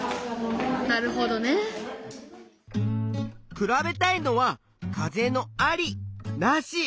比べたいのは風のあり・なし。